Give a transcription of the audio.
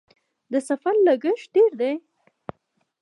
د سفر لګښت ډیر دی؟